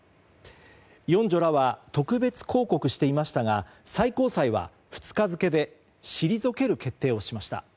四女らは特別抗告していましたが最高裁は２日付で退ける決定をしました。